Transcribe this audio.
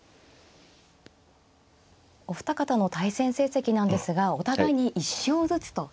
お二方の対戦成績なんですがお互いに１勝ずつとなっています。